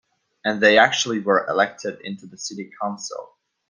And they actually were elected into the city council.